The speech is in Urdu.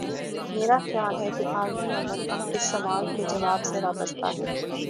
میرا خیال ہے کہ عالمی ا من اب اس سوال کے جواب سے وابستہ ہے۔